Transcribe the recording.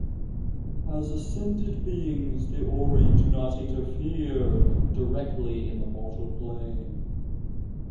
As Ascended beings, the Ori do not interfere directly in the mortal plane.